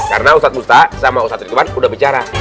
karena ustadz busta sama ustadz ridwan sudah bicara